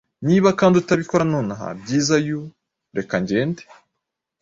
Niba kandi utabikora nonaha Byiza yuh reka ngende